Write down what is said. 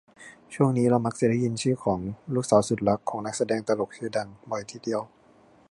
ช่วงนี้เรามักจะได้ยินชื่อของ ลูกสาวสุดรักของ นักแสดงตลกชื่อดัง บ่อยทีเดียว